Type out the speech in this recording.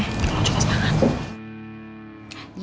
lo juga semangat